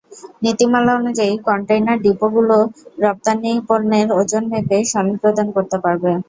নীতিমালা অনুযায়ী, কনটেইনার ডিপোগুলো রপ্তানি পণ্যের ওজন মেপে সনদ প্রদান করতে পারবে।